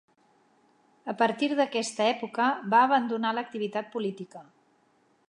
A partir d'aquesta època va abandonar l'activitat política.